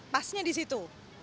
pasnya di situ